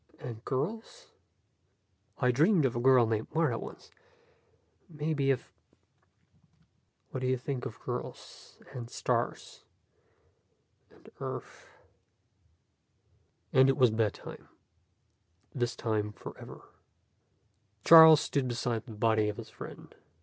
"And girls?" "I dreamed of a girl named Martha once. Maybe if " "What do you think of girls? And stars? And Earth?" And it was bedtime, this time forever. Charles stood beside the body of his friend.